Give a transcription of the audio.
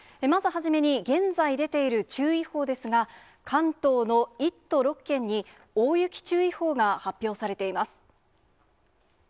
まず初めに、現在出ている注意報ですが、関東の１都６県に大雪注意報が発表されています。